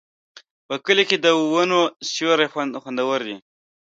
په کلي کې د ونو سیوري خوندور دي.